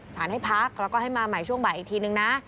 ให้พักแล้วก็ให้มาใหม่ช่วงบ่ายอีกทีนึงนะ